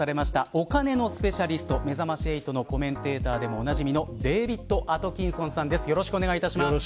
お金のスペシャリストめざまし８のコメンテーターでもおなじみのデービッド・アトキンソンさんです。